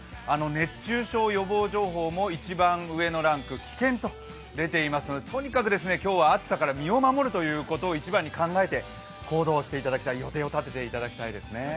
熱中症予防情報も一番上のランク危険と出ていますのでとにかく今日は暑さから身を守るということを一番に考えて行動していただきたい、予定を立てていただきたいですね。